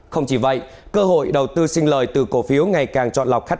không chỉ vậy cơ hội đầu tư xin lời từ cổ phiếu ngày càng trọn lọc